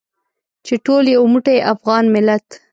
چې ټول یو موټی افغان ملت.